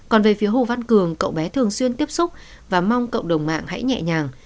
còn về phía hồ văn cường cậu bé thường xuyên tiếp xúc và mong cộng đồng mạng hãy nhẹ nhàng